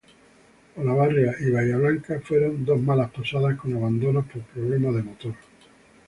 Olavarría y Bahía Blanca fueron dos malas pasadas con abandonos por problemas de motor.